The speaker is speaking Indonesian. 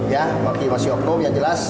ya wakil masih oknum yang jelas